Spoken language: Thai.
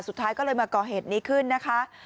สุดท้ายก็เลยมาก่อเหตุนี้ขึ้นนะคะ